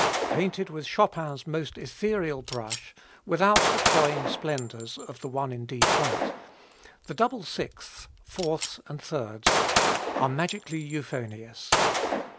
Painted with Chopin's most ethereal brush, without the cloying splendors of the one in D flat, the double sixths, fourths and thirds are magically euphonious.